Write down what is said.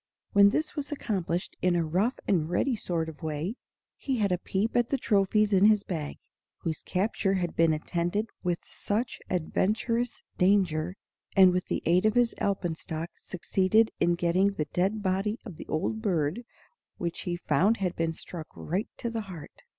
When this was accomplished in a rough and ready sort of way, he had a peep at the trophies in his bag, whose capture had been attended with such adventurous danger, and with the aid of his alpenstock succeeded in getting the dead body of the old bird, which he found had been struck right to the heart.